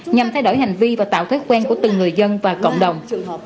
nhằm thay đổi hành vi và tạo thói quen của từng người dân và cộng đồng